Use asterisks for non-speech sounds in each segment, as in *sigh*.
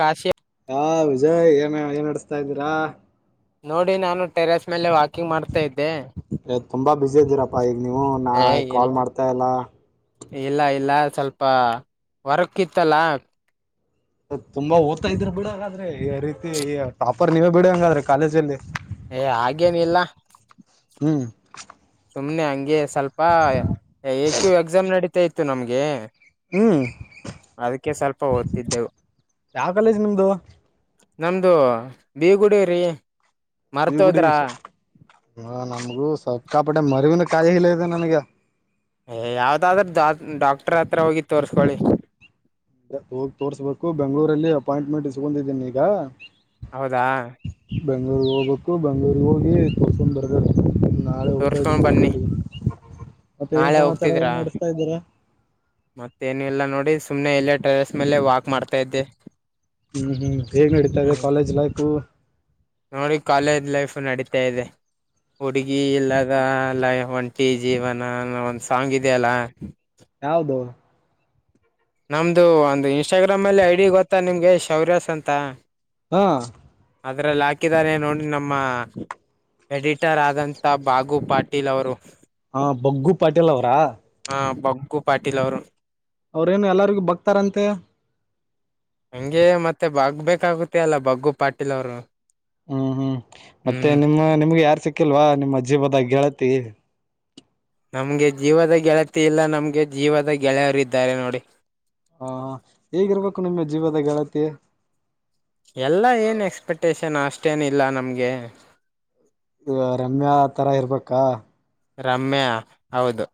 ಕಾಶಿಯ ಹಾ ವಿಜಯ್ ಏನ ಏನ್ಡಸ್ತಾ ಇದ್ದೀರಾ. ನೋಡಿ ನಾನು ಟೆರೆಸ್. ಮೇಲೆ ವಾಕಿಂಗ್ ಮಾಡ್ತಾ ಇದ್ದೆ. ಏ, ತುಂಬಾ ಬಿಜಿ ಇದ್ದೀರಪ್ಪ ಈಗ. ನೀವು ನಾ ಏ ಇಲ್ ಕಾಲ್ ಮಾಡ್ತ ಇಲ್ಲ. ಇಲ್ಲ ಇಲ್ಲ ಸ್ವಲ್ಪ ವರ್ಕ್ ಇತ್ತಲ್ಲ. ತುಂಬಾ ಓದತ ಇದ್ರೆ ಬಿಡಿ ಹಂಗಾದ್ರೆ ರೀತಿ ಟಾಪರ್ ನೀವೇ ಬಿಡ ಹಂಗಾದ್ರೆ ಕಾಲೇಜ ಅಲ್ಲಿ ಏ ಹಾಗೇನು ಇಲ್ಲ. ಹ್ಮ್ ಸುಮನೆ ಹಂಗೆ ಸ್ವಲ್ಪ ಎಏ ಕ್ಯ ಎಕ್ಸಾಮ್ ನಡೀ ಗತ್ತೆ ಇತ್ತು ನಮ್ಗೆ ಹ್ಮ್ ಅದಕ್ಕೆ ಸ್ವಲ್ಪ ಓದ್ತಿದ್ದೆವು ಯಾವ ಕಾಲೇಜ್ ನಿಮ್ದು. ನಮ್ದು ಬೇಗುಡಿ ರೀ. ಈಗುಡಿ ಮರ್ತೋದ್ರಾ ವಿಷ ನಮಗೂ ಸಿಕ್ಕಾಪಟ್ಟೆ ಮರಿವಿನ ಕಾಯಿಲೆ ಕಾಯಿಲೆ ಇದೆ ನನಗೆ ಏ ಯಾವ್ದಾದ್ರೂ ಡಾಕ್ಟ ಡಾಕ್ಟರ್ ಹತ್ರ ಹೋಗಿ ತೋರ್ಸಕೋಳಿ ಹೋಗಿ ತೋರ್ಸ್ಬೇಕು ಬೆಂಗಳೂರಲಿ ಅಪಾಯಿಂಟ್ಮೆಂಟ್ ಇಸ್ಕೊಂಡಿದ್ದೀನಿ ಈಗ ಹೌದಾ ಬೆಂಗಳೂರು ಹೋಗಬೇಕು ಬೆಂಗಳೂರ ಹೋಗಿ ತೋರ್ಸ್ಕೊಂಡ್ ಬರ್ಬೇಕು ನಾಳೆ ಹೋಗ್ತಾ ತೋರ್ಸ್ಕೊಂಡ್ ಇದ್ದೀನಿ ಬನ್ನಿ ಬೆಂಗಳೂರು ಮತ್ತೆ ಏನ್ ನಾಳೆ ಸಮಾಚಾರ ಹೋಗ್ತಿದ್ರಾ ಏನ್ ನಡೆಸ್ತಾ ಇದ್ದೀರ. ಮತ್ತೇನು ಇಲ್ಲ ನೋಡಿ ಸುಮ್ನೆ ಎಲ್ಲ ಟೆರೇಸ್ ಮೇಲೆ ವಾಕ್ ಮಾಡ್ತಾ ಇದ್ದೆ ಹ್ಮ್ ಹ್ಮ್ ಹೇಗ್ ನಡೀತಾ ಇದೆ ಹ್ಮ್ ಕಾಲೇಜ್ ಲೈಫು ನೋಡಿ ಕಾಲೇಜ್ ಲೈಫ್ ನಡೀತಾ ಇದೆ. ಹುಡುಗಿ ಲಗಾ ಲ್ಲಯ ಒಂಟಿ ಜೀವನ ಒಂದ್ ಸಾಂಗ್ ಇದೆ ಅಲ್ಲ ಯಾವದು ನಮ್ದು ಒಂದು ಇನ್ಸ್ಟಾಗ್ರಾಮ್ ಅಲ್ಲಿ ಐಡಿ ಗೊತ್ತಾ ನಿಮ್ಗೆ ಶೌರ್ಯಸ್ ಅಂತ. ಹಾ ಅದರಲ್ಲಿ ಹಾಕಿದ್ದಾರೆ ನೋಡಿ ನಮ್ಮ ಎಡಿಟರ್ ಆದಂತಥ ಬಾಗು ಪಾಟೀಲ್ ಅವರು. ಹಾ ಬಗ್ಗು ಪಾಟೀಲ್ ಅವ್ರಾ ಹ ಬಗ್ಗು ಪಾಟೀಲ್ ಅವರು ಅವ್ರೇನು ಎಲ್ಲರಿಗೂ ಬಕ್ತಾರಂತೆ. ಹಂಗೆ ಮತ್ತೆ ಬಾಗ ಬೇಕಾಗುತ್ತೆ ಅಲ್ಲ ಬಗ್ಗು ಪಾಟೀಲ್ ಅವರು ಹ್ಮ್ ಹ್ಮ್ ಮತ್ತೆ ಹ್ಮ್ ನಿಮ್ಮ ನಿಮ್ಗೆ ಯಾರ್ ಸಿಕ್ ಹಾಕಿಲ್ವಾ ನಿಮ್ಮ ಜೀವದ ಗೆಳತಿ ನಮ್ಗೆ ಜೀವದ ಗೆಳತಿ ಇಲ್ಲ ನಮ್ಗೆ ಜೀವದ ಗೆಳೆಯರ ಇದ್ದಾರೆ ನೋಡಿ. ಹಾ ಹೇಗಿರ್ಬೇಕು ನಿಮ್ಮ ಜೀವದ ಗೆಳತಿ ಎಲ್ಲಾ ಏನ್ ಎಕ್ಸ್ಪೆಕ್ಟೇಶನ್ ಅಷ್ಟೇನ ಇಲ್ಲ ನಮ್ಗೆ ಇ ರಮ್ಯಾ ತರ ಇರ್ಬೇಕಾ ರಮ್ಯಾ ಹೌದು.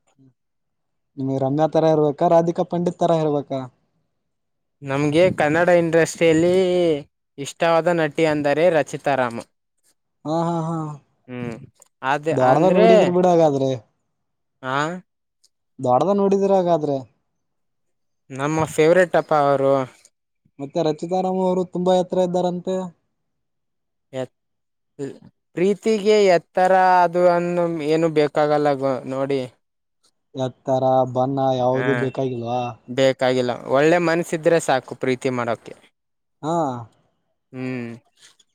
ರಮ್ಯಾ ತರ ಇರ್ಬೇಕಾ ರಾಧಿಕಾ ಪಂಡಿತ್ ತರ ಇರ್ಬೇಕಾ ನಮಗೆ ಕನ್ನಡ ಇಂಡಸ್ಟ್ರಿಯಲ್ಲಿ ಇಷ್ಟವಾದ ನಟಿ ಅಂದರೆ ರಚಿತಾ ರಾಮ. ಹಾ ಹಾ ಹಾ ಅದ ದ್ವಾಡದ್ ಅಂದ್ರೆ ನೋಡಿದ್ರ ಬಿಡ ಹಾಗಾದ್ರೆ ಹ ದ್ವಾಡದ ನೋಡಿದಿರ ಹಾಗಾದ್ರೆ ನಮ್ಮ ಫೇವ್ರೇಟ್ ಅಪ್ಪ ಅವರು ಮತ್ತೆ ರಚಿತಾರಾಮ್ ಅವರು ತುಂಬಾ ಎತ್ರಾ ಇದ್ದಾರಂತೆ ಎ ಪ್ರೀತಿಗೆ ಎತ್ತರ ಅದು ಅನ್ನ ಏನು ಬೇಕಾಗಲ್ಲ ಗ ಬ ನೋಡಿ ಎತ್ತರ ಬನ್ನ ಹಾ ಯಾವದು ಬೇಕಾಗಿಲ್ವಾ ಬೇಕಾಗಿಲ್ಲ ಒಳ್ಳೆ ಮನಸಿದ್ರೆ ಸಾಕು ಪ್ರೀತಿ ಮಾಡೋಕ್ಕೆ ಹಾ ಹ್ಮ್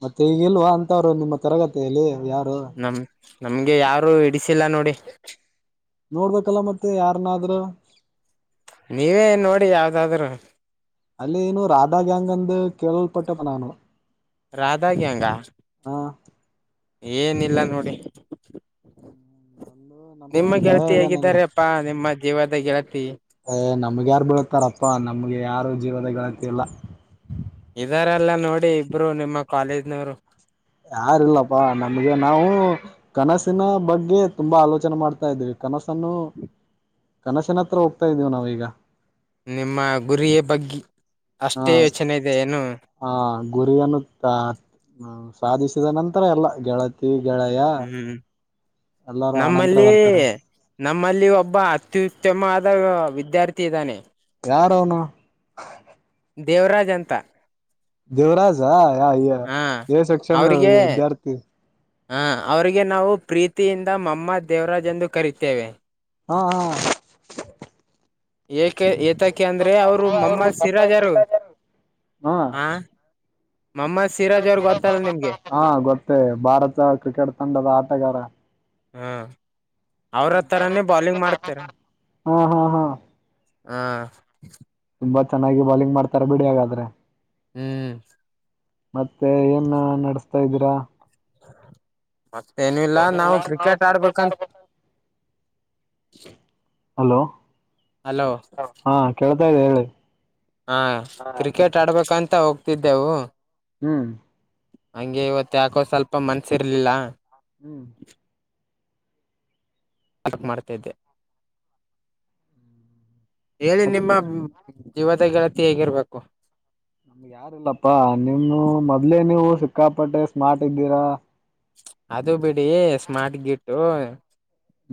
ಮತ್ತೆ ಈಗಿಲ್ವಾ ಅಂತವ್ರು ನಿಮ್ಮ ತರಗತಿಯಲ್ಲಿ ಯಾರು ನಮ ನಮ್ಗೆ ಯಾರು ಇಡಿಸಿಲ್ಲ ನೋಡಿ *inaudible* ನೋಡ್ಬೇಕಲ್ಲ ಮತ್ತೆ ಯಾರನಾದ್ರ ನೀವೇ ನೋಡಿ ಯಾವ್ದಾದ್ರರು ಕೇಳಲ್ಪಟ್ಟ ಬನಾನು ರಾಧಾ ಗ್ಯಾಂಗ್ ಆ ವಾ *inaudible* ಏನಿಲ್ಲ ನೋಡಿ ನಂದು ನಮ್ಮ ನಿಮ್ಮ ಗೆಳೆಯ ಗೆಲ್ತಿ ಹೇಗಿದ್ದಾರೆಪ್ಪಾ ನಿಮ್ಮ ಜೀವದ ಗೆಳತಿ ಅಯ್ ನಮ್ಗೆ ಯಾರ್ ಬೀಳತಾರಪ್ಪಾ ನಮ್ಗೆ ಯಾರು ಜೀವದಗಳ ಕೇಳ *inaudible* ಇದಾರೆಲ್ಲ ನೋಡಿ ಇಬ್ರು ನಿಮ್ಮ ಕಾಲೇಜ್ನವರು ಯಾರಿಲ್ಲಪ್ಪಾ ನಮ್ಗೆ ನಾವು ಕನಸಿನ ಬಗ್ಗೆ ತುಂಬಾ ಆಲೋಚನೆ ಮಾಡ್ತಾ ಇದ್ದೀವಿ ಕನಸನ್ನು ಕನಸಿನ ಹತ್ರ ಹೋಗ್ತಾ ಇದ್ದೀವಿ ನಾವೀಗ ನಿಮ್ಮ ಗುರಿಯ ಬಗ್ಗೆ ಹಾ ಅಷ್ಟೇ ಯೋಚನೆ ಇದೆ ಏನು ಹ ಗುರಿಯನ್ನು *inaudible* ಸಾಧಿಸಿದ ನಂತರ ಎಲ್ಲ ಗೆಳತಿ ತಿಗಳೆಯ ಹ್ಮ್ ಎಲ್ಲಾರೂ ಆನಂತರ ನಮ್ಮಲ್ಲಿ ಬರ್ತಾರೆ ನಮ್ಮಲ್ಲಿ ಒಬ್ಬ ಅತ್ಯುತ್ತಮವಾದ ವಿದ್ಯಾರ್ಥಿ ಇದ್ದಾನೆ ಯಾರ ಅವನ ದೇವರಾಜ್ ಅಂತ ದೇವರಾಜಾ ಯ ಹಾ ಎ ಸೆಕ್ಷನ್ ಅವ್ರಿಗೆ ವಿದ್ಯಾರ್ಥಿ ಹ ಅವರಿಗೆ ನಾವು ಪ್ರೀತಿಯಿಂದ ಮಮ್ಮ ದೇವರಾಜ್ ಎಂದು ಕರಿತೇವೆ ಹಾ ಹಾ ಏಕೆ ಎ ಕ ಅಂದ್ರೆ ಅವರು ಮಮ್ಮ ಸಿರಾಜಾರ ಹಾ ಹ ಮೊಹಮ್ಮದ್ ಸಿರಾಜ್ ಅವ್ರ ಗೊತ್ತಲ್ಲ ನಿಮ್ಗೆ ಹಾ ಗೊತ್ತೇ ಭಾರತ ಕ್ರಿಕೆಟ್ ತಂಡದ ಆಟಗಾರ ಹಾ ಅವ್ರ ತರಾನೇ ಬೌಲಿಂಗ್ ಮಾಡ್ತರ. ಹಾ ಹಾ ಹಾ ಹಾ ತುಂಬಾ ಚೆನ್ನಾಗಿ ಬಾಲಿಂಗ್ ಮಾಡ್ತಾರ ಬಿಡಿ ಹಾಗಾದ್ರೆ. ಹ್ಮ್ ಮತ್ತೆ ಏನ್ ನಡ್ಸ್ತಾ ಇದ್ದೀರಾ. ಮತ್ತೇನ ಇಲ್ಲ ನಾವು ಕ್ರಿಕೆಟ್ ಆಡ್ಬೇಕಂತ *unintelligible* ಹಲೋ ಹಲೋ ಹ ಹೇಳ ಹಾ ಕ್ರಿಕೆಟ್ ಆಡ್ಬೇಕಂತ ತ ಹೋಗ್ತಿದ್ದೆವು. ಹ್ಮ್ ಹಂಗೆ ಇವತ್ತ ಯಾಕೋ ಸ್ವಲ್ಪ ಮನ್ಸಿರ್ಲಿಲ್ಲ. ಹ್ಮ್ ಅದಕ್ ಮಾಡ್ತಾ ಇದ್ದೆ. ಹೆಳಿ ಮತ್ ನಿಮ್ಮ ಜೀವದ ಗೆಳತಿ ಹೇಗಿರ್ಬೇಕು? ನಮ್ಗೆ ಯಾರಿಲ್ಲಪ್ಪಾ ನಿಮ್ ಮೊದ್ಲೆ ನೀವು ಸಿಕ್ಕಾಪಟ್ಟೆ ಸ್ಮಾರ್ಟ್ ಇದ್ದೀರಾ. ಅದು ಬಿಡಿ ಸ್ಮಾರ್ಟ್ ಗಿಟು.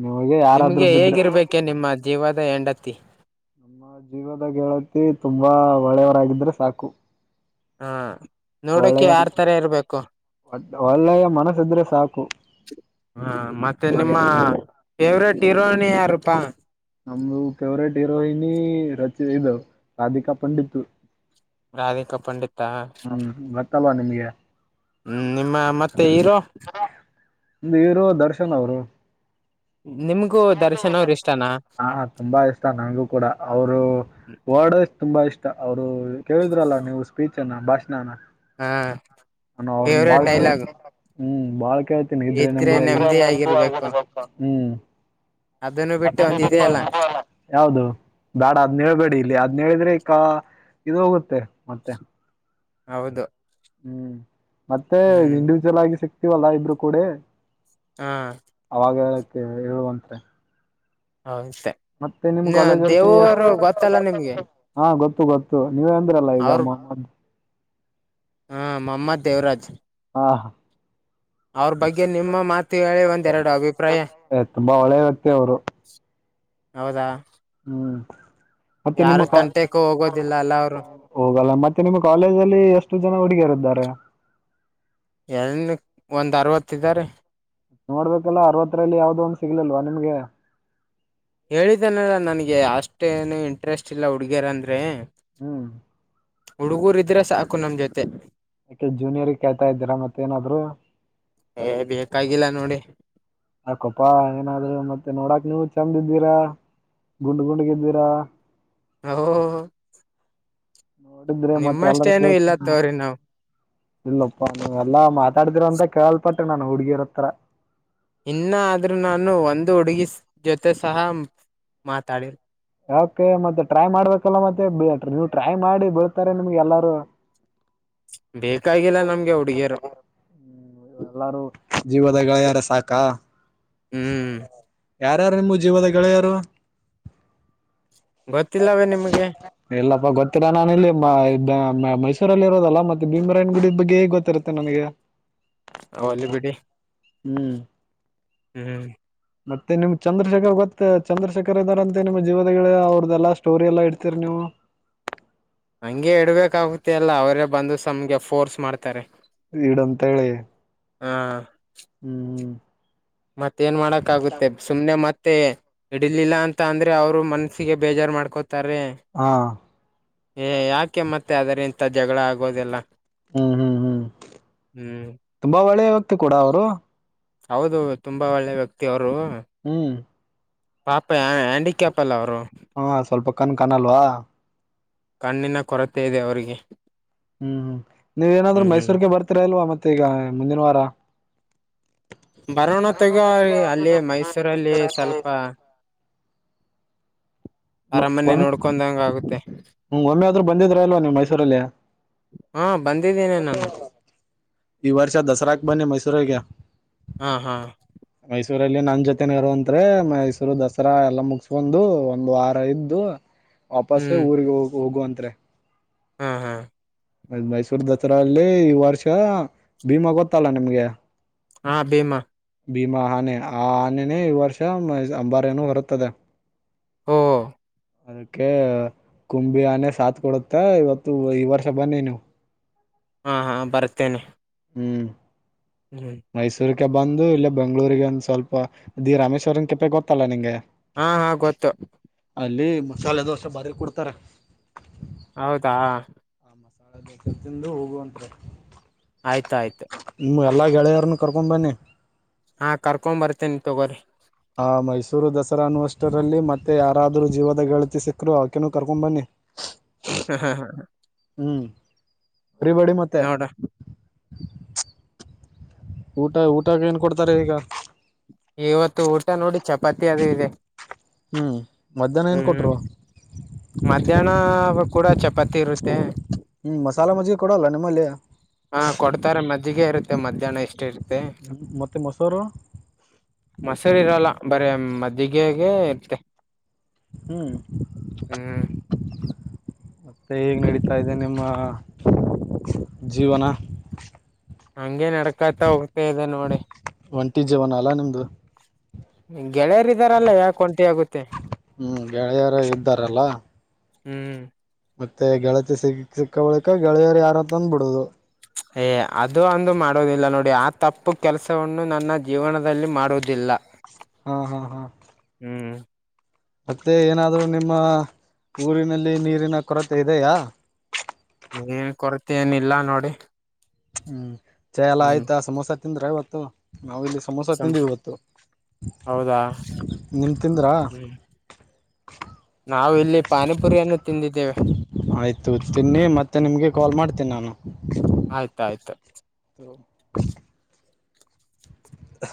ನಿಮಗೆ ಯಾರಾದ್ರೂ ನಿಮ್ಗೆ ಬಿದ್ರೆ ಹೇಗಿರ್ಬೇಕೆ ನಿಮ್ಮ ಜೀವದ ಹೆಂಡತಿ. ನಮ್ಮ ಜೀವದ ಗೆಳತಿ ತುಂಬಾ ಒಳ್ಳೆಯವರಾಗಿದ್ರೆ ಸಾಕು. ಹಾ ನೋಡಕ ಒಳ್ಳೆಯ ಯಾರ್ ತರ ಇರ್ಬೇಕು ಒಳ್ಳೆಯ ಮನಸ್ಸಿದ್ರೆ ಸಾಕು ಹ ಮತ್ತೆ ನಿಮ್ಮ ಫೇವ್ರಟ್ ಹೀರೋಯಿನ ಯಾರುಪ್ಪಾ? ನಮ್ದು ಫೇವ್ರೇಟ್ ಹೀರೋಯಿನಿ ರ ಇದು ರಾಧಿಕಾ ಪಂಡಿತೂ. ರಾಧಿಕಾ ಪಂಡಿತ್. ಹ್ಮ್ ಮತ್ತ ತಲ್ಲ ನಿಮಗೆ ಹ್ಮ್ ನಿಮ್ಮ ಮತ್ತ ತೇ ಹಿರೋ? ಹೀರೋ ದರ್ಶನ್ ಅವರು. ನಿಮ್ಗೂ ದರ್ಶನ್ ಅವ್ರ ಇಷ್ಟನಾ ಹಾ ತುಂಬಾ ಇಷ್ಟ ನನ್ಗೂ ಕೂಡ ಅವರು ಓಡೋ ತುಂಬಾ ಇಷ್ಟ ಅವರು ಕೇಳಿದ್ರಲ್ಲ ನೀವು ಸ್ಪೀಚ್ ನ್ನ ಭಾಷಣನ ಹಾ ಹಣ ಅವ್ರನ್ನ ಬಾಳ್ ಹ್ಮ್ ಬಾಳ ಕೇಳ್ತೀನಿ ಇದ್ರೆ ನ ಹ್ಮ ನೆಮ್ಮದಿ ಆಗಿರ್ಬೇಕು ಅದನ್ನು ಬಿಟ್ಟು ಒಂದ ಇದೆಯಲ್ಲ ಯದು ಬೇಡ ಅದ್ ನೇಳ್ಬೇಡಿ ಇಲ್ಲಿ ಅದ ಹೇಳಿದ್ರೆ ಅಕ್ಕ ಇದು ಹೋಗುತ್ತೆ ಮತ್ತೆ ಹೌದು ಹ್ಮ್ ಮತ್ತೆ ಹ್ಮ್ ಇಂಡಿವಿಜುವಲ್ ಆಗಿ ಸಿಕ್ ಇವಲ್ಲಾ ಇಬ್ರು ಕೂಡಿ ಹಾ ಅವಾಗ *inaudible* ಮ ಹೇಳುವಂತೆ ಹೌಷ್ಟೆ ಇ ಕಾಲೇಜಲ್ಲಿ ಎಷ್ಟು ದೇವರು ಗೊತ್ತಲ್ಲ ನಿಮ್ಗೆ ಹಾ ಗೊತ್ತು ಗೊತ್ತು ನೀವ ಅಂದ್ರಲ್ಲ ಈಗಮ್ಮ *unintelligible* ಹಾ ಮಮ್ಮ ದೇವರಾಜ್ ಹಾ ಹ ಅವ್ರ ಬಗ್ಗೆ ನಿಮ್ಮ ಮಾತು ಹೇಳಿ ಒಂದೆರಡು ಅಭಿಪ್ರಾಯ ತುಂಬಾ ಒಳ್ಳೆ ವ್ಯಕ್ತಿ ಅವರು ಹೌದಾ ಹ್ಮ್ ಮತ್ತೆ ನಿಮ್ಮ ಯಾರು ತಂಟೆಕ್ಕೂ ಹೋಗೋದಿಲ್ಲ ಅಲ್ಲ ಅವರು ಹೋಗಲ್ಲ ಮತ್ತೆ ನಿಮ್ಮ ಕಾಲೇಜ ಅಲ್ಲಿ ಎಷ್ಟು ಜನ ಹುಡುಗಿಯರಿದರೆ ಎನ್ ಒಂದ್ ಅರವತ್ ಇದ್ದಾರೆ ಸಿಗ್ಲಲ್ವಾ ನಿಮಗೆ *unintelligible* ಹೇಳಿದ್ದೇನಲ್ಲ ನನ್ಗೆ ಅಷ್ ಅಷ್ಟೇನು ಇಂಟ್ರೆಸ್ಟ್ ಇಲ್ಲ ಹುಡುಗ್ಯರ ಅಂದ್ರೆ ಹ್ಮ್ ಹುಡುಗೂರ್ ಇದ್ರೆ ಸಾಕು ನಮ್ ಜೊತೆ ಯಾಕೆ ಜೂನಿಯರ್ ಕೇಳ್ತಾ ಇದ್ದೀರಾ ಮತ್ ಏನಾದ್ರು ಕಾಗಿಲ್ಲ ನೋಡಿ ಅಕೊಪಾ ಏನಾದ್ರು ಮತ್ತೆ ನೋಡಕ್ ನೀವು ಚಂದ ಇದ್ದೀರಾ ಗುಂಡ್ ಗುಂಡ್ಗಿದ್ದೀರಾ ಹೂ *unintelligible* ನೋಡಿದ್ರೆ ಮತ್ತೆ ನಿಮ್ಮಷ್ಟೇಏನು ಇಲ್ಲ ತೋವ್ರಿ ನಾವು ಇಲ್ಲಪ್ಪ ನೀ ಎಲ್ಲಾ ಮಾತಾಡಿದಿರ ಅಂತ ಕೇಳಲ್ಪಟ್ಟ ನಾನ್ ಹುಡ್ಗಿರ್ ಹತ್ರ ಇನ್ನಾದ್ರೂ ನಾನು ಒಂದು ಹುಡುಗಿ ಜೊತೆ ಸಹ ಮಾತಾಡಿ ಯಕೆ ಮತ್ತೆ ಟ್ರೈ ಮಾಡ್ಬೇಕ್ ಲ್ಲ ಮತ್ತೆ ಬಟ *unintelligible* ಟ್ರೈ ಮಾಡಿ ಬೀಳ್ತಾರೆ ನಿಮ್ಗೆ ಎಲ್ಲಾರೂ ಬೇಕಾಗಿಲ್ಲ ನಮ್ಗೆ ಹುಡುಗಿಯರು *inaudible* ಎಲ್ಲಾರು ಜೀವದ ಗೆಳೆಯಾರ ಸಾಕ ಹ್ಮ್ ಯಾರ್ಯಾರು ನಿಮ್ ಜೀವದ ಗೆಳೆಯರು ಗೊತ್ತಿಲ್ಲವೇ ನಿಮ್ಗೆ ಇಲ್ಲಪ್ಪಾ ಗೊತ್ತಿಲಾ ನಾನ ಇಲ್ಲಿ ಮೈಸೂರ *unintelligible* ಹತ್ತಿರಲ್ಲಿ ಇರೋದಲ್ಲ ಮತ್ತೆ ಭೀಮರಾಯನ ಗುಡಿ ಬಗ್ಗೆ ಹೇಗ್ ಗೊತ್ತಿರುತ್ತೆ ನನಗೆ ಒಲ್ಲಿ ಬಿಡಿ ಹ್ಮ್ ಹ್ಮ್ ಮತ್ತೆ ನಿಮ್ ಚಂದ್ರಶೇಖರ್ ಗೊತ್ತ ಚಂದ್ರಶೇಖರ್ ಇದ್ದಾರಂತೆ ನಿಮ್ಮ ಜೀವದ ಗೆಳೆಯ ಅವ್ರದ ಎಲ್ಲಾ ಸ್ಟೋರಿ ಎಲ್ಲಾ ಇಡ್ತೀರಿ ನೀವು ಹಂಗೆ ಇಡ್ಬೇಕ ಆಗುತ್ತೆ ಅಲ್ಲ ಅವ್ರ ಬಂದು ಸುಮ್ಗೆ ಫೋರ್ಸ್ ಮಾಡ್ತಾರೆ ಈಡಂತ ಹೇಳಿ ಹ ಹ್ಮ್ ಹ್ಮ್ ಮತ್ತೆ ಮತ್ತೆ ಏನ್ ಮಾಡಕಕ್ಕಾಗುತ್ತೆ ಸುಮನೆ ಮತ್ತೆ ಮತ್ತೆ ಇಡಿಲಿಲ್ಲ ಅಂತ ಅಂದ್ರೆ ಅವರು ಮನಸ್ಸಿಗೆ ಬೇಜಾರ್ ಮಾಡ್ಕೋತಾರೇ ಹಾ ತಾರೇ ಯಾಕೆ ಮತ್ತೆ ಅದ್ರ ಇಂತ ಜಗಳ ಆಗೋದೆಲ್ಲ ಹ್ಮ್ ಹ್ಮ್ ಹ್ಮ್ ಹ್ಮ್ ತುಂಬಾ ಒಳ್ಳೆ ವ್ಯಕ್ತಿ ಕೂಡ ಅವರು ಹೌದು ತುಂಬಾ ಒಳ್ಳೆ ವ್ಯಕ್ತಿ ಅವ್ರು ಹ ಹ್ಮ್ ಪಾಪ ಹ್ಯಾಂಡಿಕ್ಯಾಪ್ ಎಲ್ಲ ಅವರು ಹಾ ಸ್ವಲ್ಪ ಕಣ ಕಾಣಲ್ವಾ ಕಣ್ಣಿನ ಕೊರತೆ ಇದೆ ಅವ್ರಿಗೆ. ಹ್ಮ್ ಹ್ಮ್ ನೀವೇನಾದ್ರು ಹ್ಮ್ ಮೈಸೂರ್ ಬರ್ತೀರಾ ಇಲ್ವಾ ಮತ್ತೆ ಈಗ ಮುಂದಿನ ವಾರ ಬರೋಣ ತಗ ಅಲ್ಲಿ ಮೈಸೂರಲ್ಲಿ ಸ್ವಲ್ಪ ಅರಮನೆ ಒ ನೋಡ್ಕೊಂಡಂಗ ಆಗುತ್ತೆ ಒಮ್ಮೆ ಆದ್ರೂ ಬಂದಿದ್ರ ಇಲ್ವಾ ನೀವು ಮೈಸೂರಲ್ಲಿ ಹಾ ಬಂದಿದ್ದೇನೆ ನಾನು ಈ ವರ್ಷ ದಸರಾಕ ಬನ್ನಿ ಮೈಸೂರು ಗ ಹಾ ಹಾ ಮೈಸೂರಲ್ಲಿ ನನ್ನ ಜೊತೆನ ಇರುವಂತ್ರಿ ಮೈಸೂರು ದಸರಾ ಎಲ್ಲ ಮುಗಸ್ಕೊಂಡು ಒಂದು್ ವಾರ ಇದ್ದು ವಾಪಸ್ಸ ಊರಿಗೆ ಹೋಗ ಹೋಗುವಂತ ತತ್ರ್ರೆ ಹ್ಮ್ ಹ್ಮ್ ಆಮೇಲೆ ಮೈಸೂರ್ ದಸರಾಲ್ಲಿ ಈ ವರ್ಷ ಭೀಮಾ ಗೊತ್ತಲ್ಲ ನಿಮ್ಗೆ ಹಾ ಭೀಮ ಭೀಮಾ ಆನೆ ಆ ಆನೆನೇ ಈ ವರ್ಷ ಅಂಬಾರಿ ಯನ ಹೊರುತ್ತದೆ. ಹ್ಮ ಅದಕ್ಕೆ ಕುಂಬಿ ಅನೆೆ ಸಾತ್ ಕೊಡುತ್ತೆ ಇವತ್ತು ಈ ವರ್ಷ ಬನ್ನಿ ನೀವು. ಹಾ ಹಾ ಬರ್ತೇನೆ ಹ್ಮ್ ಹ್ಮ್ ಮೈಸೂರು ಬಂದು ಇಲ್ಲೇ ಬೆಂಗಳೂರಿಗೆ ಒಂದ್ ಸ್ವಲ್ಪ ದಿ ರಾಮೇಶ್ವರನ್ ಕೆಪೆ ಗೊತ್ತಲ್ಲಾ ನಿಂಗೆ ಹಾ ಹಾ ಗೊತ್ತು ಅಲ್ಲಿ ಮಸಾಲೆ ದೋಸೆ ಬಾರಿ ಕೊಡ್ತಾರೆ ಹೌದಾ ಮಸಾಲೆ ಬಸದ್ದಂದು ಹೋಗುವಂತಾರೆ ಆಯ್ತಾಯ್ತು ಎಲ್ಲ ಗೆಳೆಯರನ್ನ ಕರ್ಕೊಂಬನ್ನಿ ಹಾ ಕರ್ಕೊಂಡ್ ಬರ್ತೇನೆ ತೊಗೋರಿ ಹಾ ಮೈಸೂರು ದಸರಾ ಅನ್ನುವಷ್ಟರಲ್ಲಿ ಮತ್ತೆ ಯಾರಾದ್ರರು ಜೀವದ ಗೆಳತಿ ಸಿಕ್ಕರು ಅವಕೇನ ಕರ್ಕೊ ಬನ್ನಿ ಹ್ಮ್ ಹ್ಮ ಹಾ ಹ ಹ್ಮ್ ಅಬಡಿ ಮತ್ತೆ ಊಟ ಊಟಕ್ಕೆ ಏನ್ ಕೊಡ್ತಾರೆ ಈಗ ಇವತ್ತು ಊಟ ನೋಡಿ ಚಪಾತಿ ಅದು ಇದೆ ಹ್ಞೂ ಮಧ್ಯಾಹ್ನ ಏನು ಹ್ಮ್ ಕೊಟ್ಟರು ಮಧ್ಯಾಹ್ನ ಕೂಡ ಚಪಾತಿ ಇರುತ್ತೆ ಹ್ಮ್ ಮಸಾಲೆ ಮಜ್ಜಿಗೆ ಕೊಡಲ್ಲ ನಿಮ್ಮಲ್ಲಿ ಹಾ ಕೊಡ್ತಾರೆ ಮಜ್ಜಿಗೆ ಇರುತ್ತೆ ಮಧ್ಯಾಹ್ನ ಇಷ್ಟ *unintelligible* ಮತ್ತೆ ಮೊಸರು ಮಸರಿರಲ್ಲ ಬರೇ ಮದ್ದಿಗೆಗೆ ಇತ್ತೆ ಹ್ಮ್ ಹೇಗೆ ನಡೀತಾ ಇದೆ ನಿಮ್ಮ ಜೀವನ ಹಂಗೆ ನಡ್ಕತ ಹೋಗ್ತಾ ಇದೆ ನೋಡಿ ಇತ್ತೀ ಜವನಲ್ಲಾ ನಿಮ್ದು ಹ್ಮ್ ಗೆಳೆಯರ ಇದಿದಾರಲ್ಲ ಯಾಕೆ ಒಂಟ ಆಗುತ್ತೆ ಹ್ಮ್ ಗೆಳೆಯರ ಇದ್ದಾರಲ್ಲ ಹ್ಮ್ ಮತ್ತೆ ಗೆಳತಿ ಸಿ ಸಿಕ್ಕ ಬಳಿಕ ಗೆಳೆಯರು ಯಾರ ಅಂತ ಅಂದ ಬಿಡುದು ಏ ಅದು ಅಂದು ಮಾಡುವುದಿಲ್ಲ ನೋಡಿ ಆ ತಪ್ಪು ಕೆಲಸವನ್ನು ನನ್ನ ಜೀವನದಲ್ಲಿ ಮಾಡುವುದಿಲ್ಲ ಹ್ಮ್ ಹ್ಮ್ ಹ್ಮ್ ಹ್ಮ್ ಮತ್ತೆ ಏನಾದ್ರು ನಿಮ್ಮ ಊರಿನಲ್ಲಿ ನೀರಿನ ಕೊರತೆ ಇದೆಯಾ ಏನ್ ಕೊರತೆ ಏನ ಇಲ್ಲಾ ನೋಡಿ ಹ್ಮ್ ಚಾ ಎಲ್ಲಾ ಹ್ಮ್ ಆಯ್ತಾ ಸಮೋಸಾ ತಿಂದ್ರೆ ಇವತ್ತು ನಾವವು ಇಲ್ಲಿ ಸಮೋಸ ಸಂ ತಿಂದ್ವವಿ ಗತ್ತು ಹೌದಾ ನಿಮ ತಿಂದ್ರಾ ಹ್ಮ್ ನಾವು ಇಲ್ಲಿ ಪಾನಿಪುರಿಯನ್ನು ತಿಂದಿದ್ದೇವೆ ಆಯ್ತು ತಿನ್ನಿ ಮತ್ತೆ ಹ್ಮ್ ನಿಮ್ಗೆ ಕಾಲ್ ಮಾಡ್ತೀನಿ ನಾನು ಆಯ್ತಾಯ್ತು *inaudible* ಹ